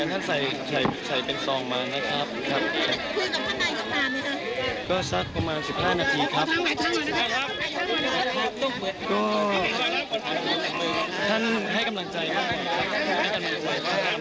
ท่านก็ไม่ทราบอย่างงั้นท่านใส่เป็นซองมานะครับ